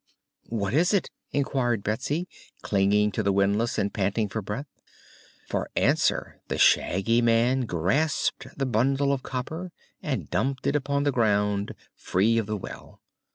"What is it?" inquired Betsy, clinging to the windlass and panting for breath. For answer the Shaggy Man grasped the bundle of copper and dumped it upon the ground, free of the well.